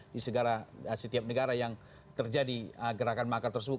di setiap negara yang terjadi gerakan makar tersebut